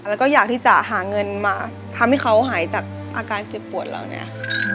แล้วก็อยากที่จะหาเงินมาทำให้เขาหายจากอาการเจ็บปวดเหล่านี้